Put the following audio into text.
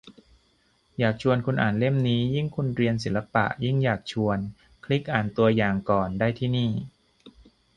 อยากชวนคุณอ่านเล่มนี้ ยิ่งคุณเรียนศิลปะ ยิ่งอยากชวน คลิกอ่านตัวอย่างก่อนได้ที่นี่